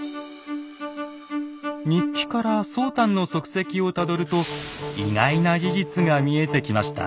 日記から宗湛の足跡をたどると意外な事実が見えてきました。